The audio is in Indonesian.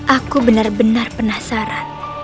aku benar benar penasaran